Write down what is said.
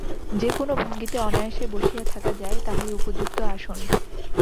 যে-কোন ভঙ্গিতে অনায়াসে বসিয়া থাকা যায়, তাহাই উপযুক্ত আসন।